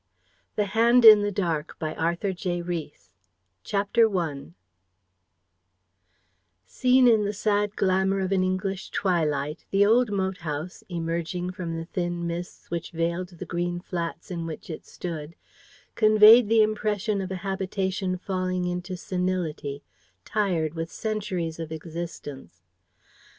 THE HAND IN THE DARK CHAPTER I Seen in the sad glamour of an English twilight, the old moat house, emerging from the thin mists which veiled the green flats in which it stood, conveyed the impression of a habitation falling into senility, tired with centuries of existence.